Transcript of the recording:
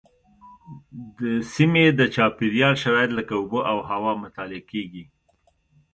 د سیمې د چاپیریال شرایط لکه اوبه او هوا مطالعه کېږي.